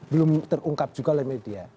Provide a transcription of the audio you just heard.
belum terungkap juga oleh media